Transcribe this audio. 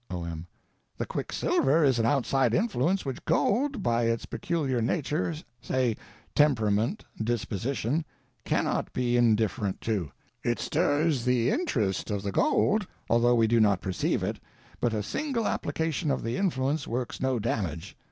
O.M. The _quicksilver _is an outside influence which gold (by its peculiar nature—say _temperament, disposition) cannot be indifferent to. _It stirs up the interest of the gold, although we do not perceive it; but a _single _application of the influence works no damage.